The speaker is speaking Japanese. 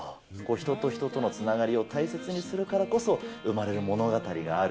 人と人とのつながりを大切にするからこそ生まれる物語がある。